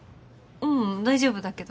うん大丈夫だけど。